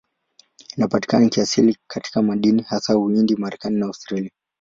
Inapatikana kiasili katika madini, hasa Uhindi, Marekani na Australia.